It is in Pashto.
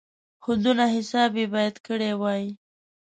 خو دونه حساب یې باید کړی وای.